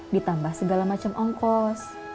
ditambah segala macam ongkos